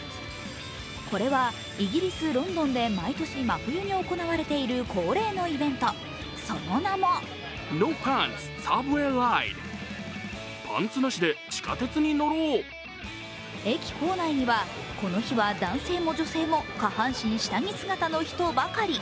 これはイギリス・ロンドンで毎年真冬に行われている恒例のイベント、その名も駅構内には、この日は男性も女性も下半身下着姿の人ばかり。